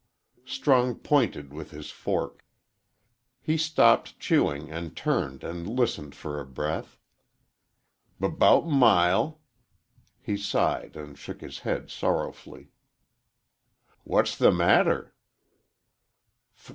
Strong pointed with his fork. He stopped chewing and turned and listened for a breath. "B bout mile." He sighed and shook his head sorrowfully. "What's the matter?"